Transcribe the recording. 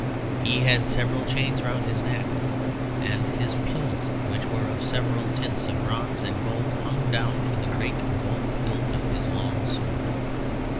He had several chains round his neck, and his plumes, which were of several tints of bronze and gold, hung down to the great gold hilt of his long sword.